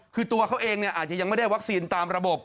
คือตัวเขาเองอาจจะยังไม่ได้วัคซีนตามระบบ